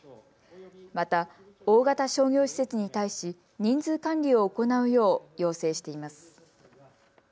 また大型商業施設に対し人数管理を行うよう要請しています。